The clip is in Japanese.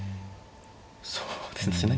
そうですね。